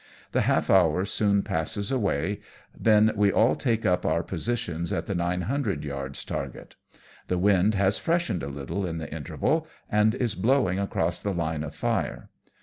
The half hour soon passes away, then we all take up our positions at the nine hundred yards target. The wind has freshened a little in the interval, and is blowing across the line of fire.